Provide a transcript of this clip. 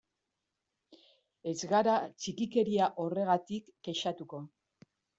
Ez gara txikikeria horregatik kexatuko.